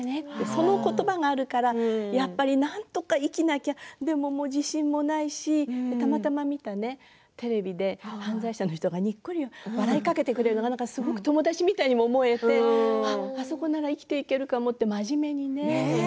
その言葉があるからなんとか生きなきゃでも、自信もないしたまたま見たテレビで犯罪者の人がにっこり笑いかけてくれるのがすごい友達みたいにも思えてあそこなら生きていけるかもって真面目にね。